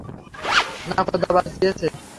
না, খোদা বাঁচিয়েছে।